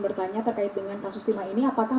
bertanya terkait dengan kasus timah ini apakah